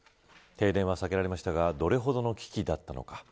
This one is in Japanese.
停電は避けられましたがどれほどの危機だったのか。